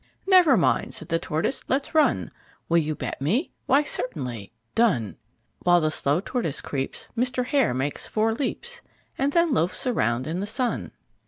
"Never mind," said the Tortoise. "Let's run! Will you bet me?" "Why, certainly." "Done!" While the slow Tortoise creeps Mr. Hare makes four leaps, And then loafs around in the sun.